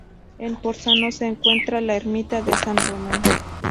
En Ponzano se encuentra la ermita de San Román.